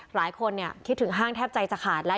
หลายคนคิดถึงห้างแทบใจจะขาดแล้ว